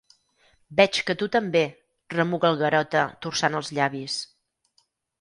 Veig que tu també —remuga el Garota, torçant els llavis.